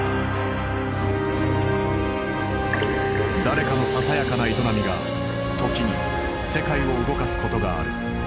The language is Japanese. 誰かのささやかな営みが時に世界を動かすことがある。